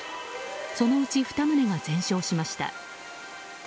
そのうち２棟が全焼しました。